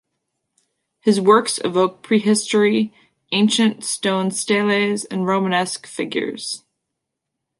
His works evoke prehistory, ancient stone steles and romanesque figures.